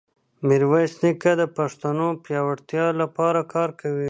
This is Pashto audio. میرویس نیکه د پښتنو د پیاوړتیا لپاره کار کاوه.